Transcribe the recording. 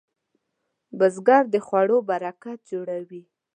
بزګر د خوړو برکت جوړوي